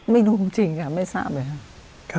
ไม่รู้จริงค่ะไม่ทราบเลยค่ะ